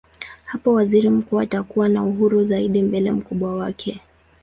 Hapo waziri mkuu atakuwa na uhuru zaidi mbele mkubwa wake.